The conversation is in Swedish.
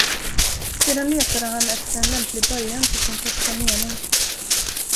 Sedan letade han efter en lämplig början till sin första mening.